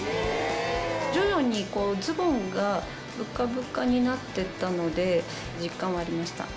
徐々にこうズボンがぶかぶかになってったので実感はありました。